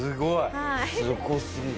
すごすぎる。